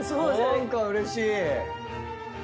何かうれしい。